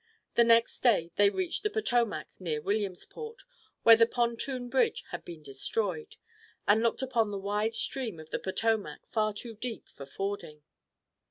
The next day they reached the Potomac near Williamsport, where their pontoon bridge had been destroyed, and looked upon the wide stream of the Potomac, far too deep for fording.